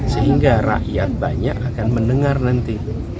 sehingga rakyat banyak akan mendengar nanti